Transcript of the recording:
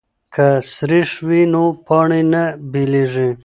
که سریښ وي نو پاڼې نه بېلیږي.